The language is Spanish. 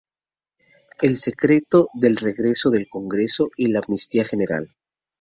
Se decretó el receso del Congreso y la amnistía general.